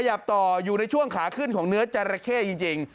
ขยับต่ออยู่ในช่วงขาขึ้นของเนื้อจราเข้จริง